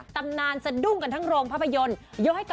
ตำนานสะดุ้งกันทั้งโรงภาพยนตร์